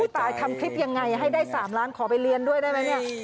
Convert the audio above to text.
ตายทำคลิปยังไงให้ได้๓ล้านขอไปเรียนด้วยได้ไหมเนี่ย